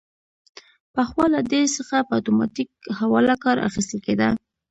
پخوا له دې څخه په اتوماتیک حواله کار اخیستل کیده.